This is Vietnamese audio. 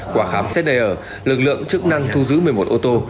quả khám xét đầy ở lực lượng chức năng thu giữ một mươi một ô tô